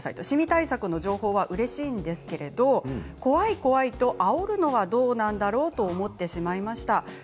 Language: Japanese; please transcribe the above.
シミ対策の情報はうれしいんですけれども怖い怖いとあおるのはどうなんだろうと思ってしまいました。